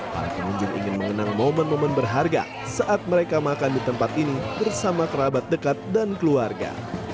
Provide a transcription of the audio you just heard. para pengunjung ingin mengenang momen momen berharga saat mereka makan di tempat ini bersama kerabat dekat dan keluarga